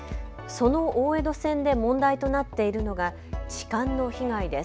その大江戸線で問題となっているのが痴漢の被害です。